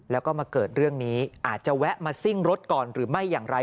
แล้วก็มาเกิดเรื่องนี้อาจจะแวะมาซิ่งรถก่อนหรือไม่อย่างไร